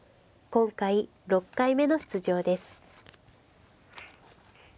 今回６回目の出場です。